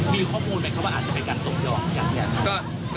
มีข้อมูลมั้ยว่าอาจจะมีการสมยอมกัน